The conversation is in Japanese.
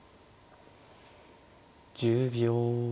１０秒。